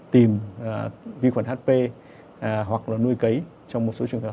tìm vi khuẩn hp hoặc là nuôi cấy trong một số trường hợp